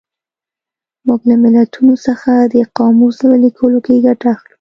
موږ له متلونو څخه د قاموس په لیکلو کې ګټه اخلو